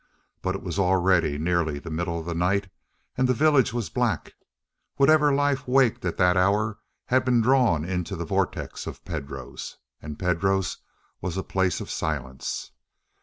But it was already nearly the middle of night and the village was black; whatever life waked at that hour had been drawn into the vortex of Pedro's. And Pedro's was a place of silence.